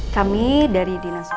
kami dari dinasur